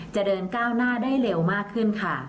เดินก้าวหน้าได้เร็วมากขึ้นค่ะ